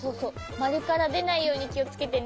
まるからでないようにきをつけてね。